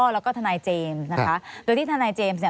แล้วก็ทนายเจมส์นะคะโดยที่ทนายเจมส์เนี่ย